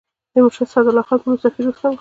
تیمورشاه سعدالله خان په نوم سفیر واستاوه.